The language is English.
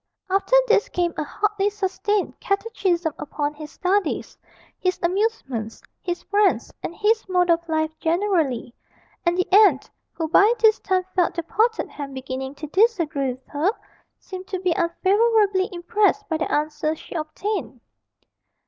After this came a hotly sustained catechism upon his studies, his amusements, his friends, and his mode of life generally, and the aunt who by this time felt the potted ham beginning to disagree with her seemed to be unfavourably impressed by the answers she obtained.